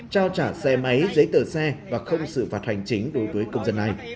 trao trả xe máy giấy tờ xe và không xử phạt hành chính đối với công dân này